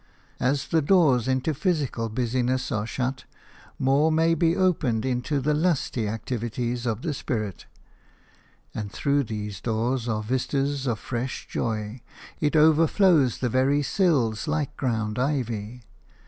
As the doors into physical busyness are shut, more may be opened into the lusty activities of the spirit; and through these doors are vistas of fresh joy – it overflows the very sills like ground ivy.